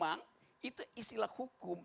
memang itu istilah hukum